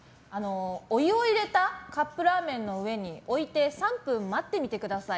お湯を入れたカップラーメンの上において３分待ってみてください。